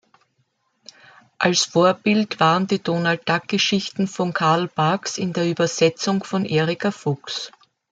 Als Vorbild waren die Donald-Duck-Geschichten von Carl Barks in der Übersetzung von Erika Fuchs.